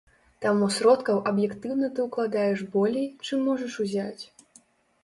Таму сродкаў аб'ектыўна ты ўкладаеш болей, чым можаш узяць.